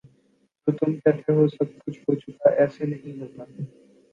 جو تم کہتے ہو سب کچھ ہو چکا ایسے نہیں ہوتا